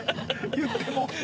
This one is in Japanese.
言っても。